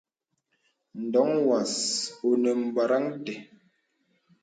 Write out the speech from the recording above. Ndoŋ wəs onə bwarəŋ té.